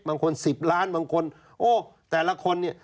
๑๐ล้านบางคนโอ้แต่ละคนเนี่ย